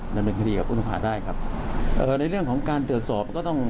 ดำเนินคดีกับอุณหภาได้ครับเอ่อในเรื่องของการเจอสอบก็ต้อง